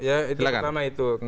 ya itu pertama itu